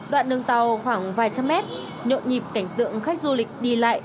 đoạn đường tàu khoảng vài trăm mét nhộn nhịp cảnh tượng khách du lịch đi lại